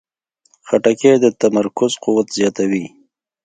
خټکی د تمرکز قوت زیاتوي.